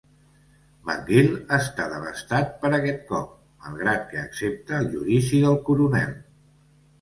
McGill està devastat per aquest cop, malgrat que accepta el judici del coronel.